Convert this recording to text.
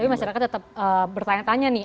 tapi masyarakat tetap bertanya tanya nih